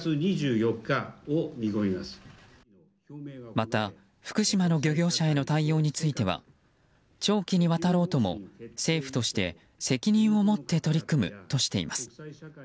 また、福島の漁業者への対応については長期にわたろうとも、政府として責任を持って取り組むとしています。